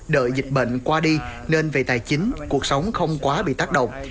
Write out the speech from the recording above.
đợi dịch bệnh qua đi nên về tài chính cuộc sống không quá bị tác động